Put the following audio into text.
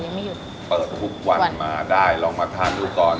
ยังไม่หยุดเปิดทุกวันมาได้ลองมาทานดูก่อน